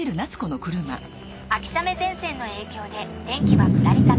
秋雨前線の影響で天気は下り坂。